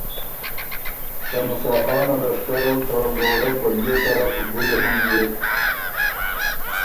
ته موسیٰ خان ا لشکر ال ته لوړۀ په دیو طرف بُډ هېنيېک